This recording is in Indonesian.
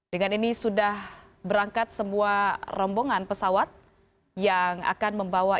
dengan ini sudah berangkat semua rombongan pesawat yang akan membawa